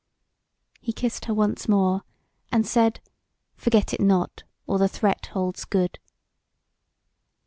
He kissed her once more, and said: "Forget it not, or the threat holds good."